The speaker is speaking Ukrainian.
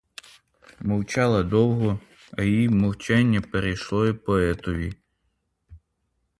Мовчала довго, а її мовчання перейшло й поетові.